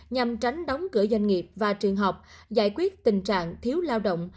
nhằm tránh đóng cửa doanh nghiệp và trường học giải quyết tình trạng thiếu lao động